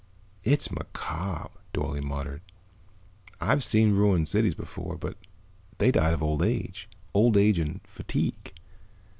"It's macabre," Dorle muttered. "I've seen ruined cities before but they died of old age, old age and fatigue.